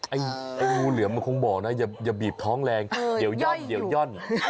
ไอ้งูเหลือมมันคงบอกนะอย่าบีบท้องแรงเดี๋ยวย่อนเดี๋ยวย่อน